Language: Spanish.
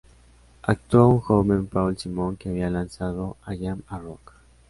Actuó un joven Paul Simon que había lanzado "I Am A Rock".